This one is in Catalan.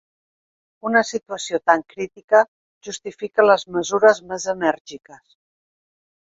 Una situació tan crítica justifica les mesures més enèrgiques.